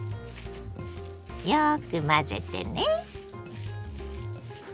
よく混ぜてね。